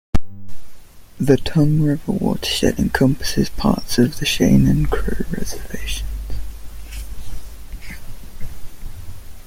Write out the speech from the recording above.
The Tongue River watershed encompasses parts of the Cheyenne and Crow Reservations.